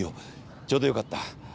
ちょうど良かった。